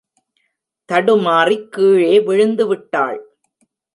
தடுமாறிக் கீழே விழுந்துவிட்டாள்.